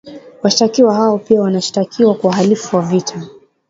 Washtakiwa hao pia wanashtakiwa kwa uhalifu wa vita